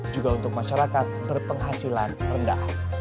juga untuk masyarakat berpenghasilan rendah